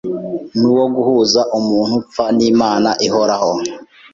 n’uwo guhuza umuntu upfa n’Imana ihoraho.